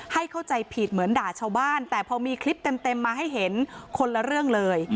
เข้าใจผิดเหมือนด่าชาวบ้านแต่พอมีคลิปเต็มมาให้เห็นคนละเรื่องเลย